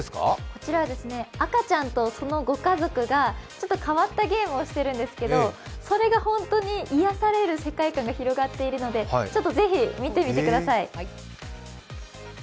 こちらは赤ちゃんとそのご家族がちょっと変わったゲームをしてるんですが、それが本当に癒やされる世界観が広がっているので、ぜひ見てみてください。